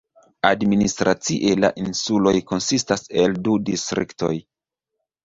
Administracie la insuloj konsistas el du distriktoj.